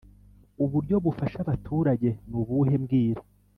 Uburyo bufasha abaturage nubuhe mbwira